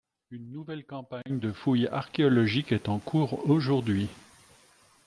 Une nouvelle campagne de fouilles archéologiques est en cours aujourd'hui.